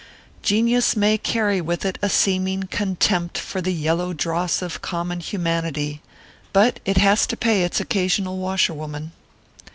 Genius may carry with it a seeming contempt for the yellow dross of common humanity ; but it has to pay its occasional washerwoman.